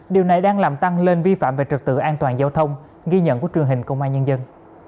điều này đang làm tăng lên vi phạm về trực tự an toàn giao thông ghi nhận của truyền hình công an nhân dân